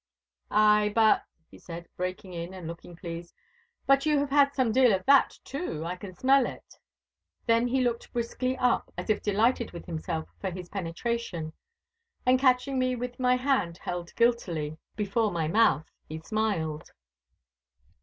'Ay, but,' he said, breaking in and looking pleased, 'but you have had some deal of that too. I can smell it.' Then he looked briskly up, as if delighted with himself for his penetration, and catching me with my hand held guiltily before my mouth, he smiled.